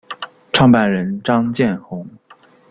创办人张建宏。